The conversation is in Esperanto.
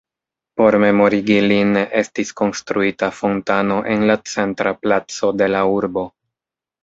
Por memorigi lin estis konstruita fontano en la centra placo de la urbo.